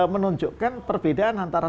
menunjukkan perbedaan antara